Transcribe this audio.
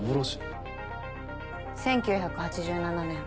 １９８７年